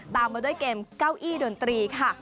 ตามมาด้วยเกมเก้าอี้ดนตรีค่ะ